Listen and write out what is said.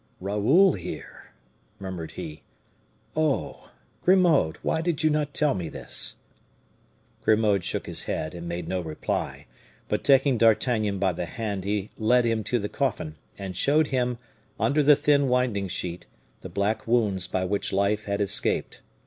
"Raoul here!" murmured he. "Oh! Grimaud, why did you not tell me this?" Grimaud shook his head, and made no reply; but taking D'Artagnan by the hand, he led him to the coffin, and showed him, under the thin winding sheet, the black wounds by which life had escaped.